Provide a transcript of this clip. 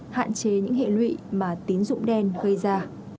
hạn chế những hệ lụy mà tín dụng đen gây ra